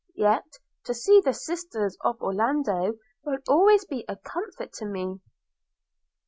yet to see the sisters of Orlando will always be a comfort to me.'